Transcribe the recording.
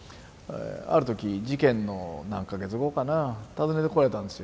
ある時事件の何か月後かな訪ねてこられたんですよ。